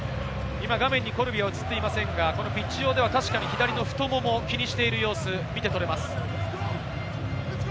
画面にコルビは映っていませんが、ピッチ上では太ももを気にしている様子が見て取れます。